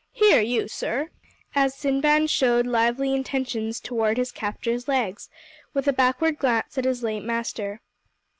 Here you, sir," as Sinbad showed lively intentions toward his captor's legs, with a backward glance at his late master.